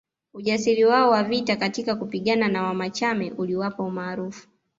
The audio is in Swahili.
Ujasiri wao wa vita katika kupigana na Wamachame uliwapa umaarufu